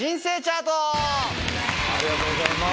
ありがとうございます！